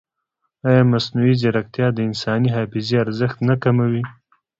ایا مصنوعي ځیرکتیا د انساني حافظې ارزښت نه کموي؟